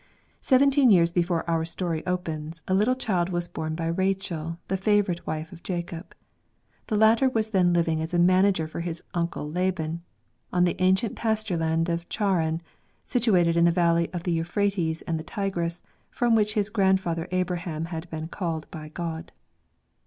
— Seventeen years before our story opens, a little child was borne by Rachel, the favourite wife of Jacob. The latter was then living as manager for his uncle Laban, on the ancient pasture land of Charran, situated in the valley of the Euphrates and the Tigris, from which his grandfather Abraham had been called by God.